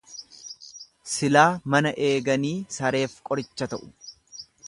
Silaa mana eeganii sareef qoricha ta'u.